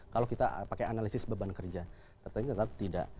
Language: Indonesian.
kalau kita pakai analisis beban kerja tetap tidak